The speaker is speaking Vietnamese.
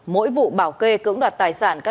mỗi vụ bảo kê cưỡng đoạt tài sản